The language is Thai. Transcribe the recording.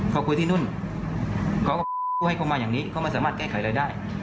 เขาคุยที่นู่นเขาก็ให้เขามาอย่างนี้เขาไม่สามารถแก้ไขอะไรได้